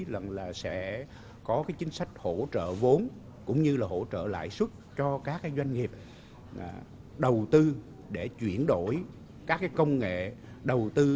là sẽ có chính sách hỗ trợ vốn cũng như là hỗ trợ lại xuất cho các doanh nghiệp đầu tư để chuyển đổi các công nghệ đầu tư